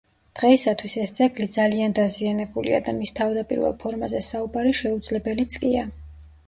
დღეისათვის ეს ძეგლი ძალიან დაზიანებულია და მის თავდაპირველ ფორმაზე საუბარი შეუძლებელიც კია.